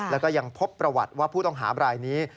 แล้วก็ยังพบประวัติว่าผู้ต้องหาบรายนี้